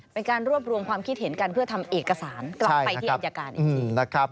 เป็นการรวบรวมความคิดเห็นกันเพื่อทำเอกสารกลับไปที่อายการอีกทีนะครับ